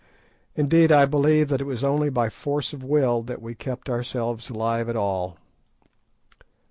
Indeed, I believe that it was only by force of will that we kept ourselves alive at all.